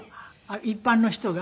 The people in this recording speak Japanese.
一般の人が？